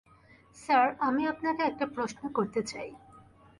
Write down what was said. Sir, আমি আপনাকে একটা প্রশ্ন করতে চাই।